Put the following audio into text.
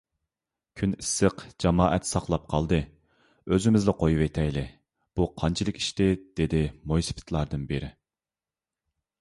كۈن ئىسسىق، جامائەت ساقلاپ قالدى، ئۆزىمىزلا قويۇۋېتەيلى، بۇ قانچىلىك ئىشتى؟ _ دېدى مويسىپىتلاردىن بىرى.